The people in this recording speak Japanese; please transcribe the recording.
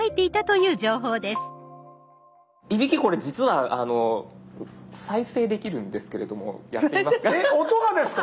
いびきこれ実は再生できるんですけれどもやってみますか？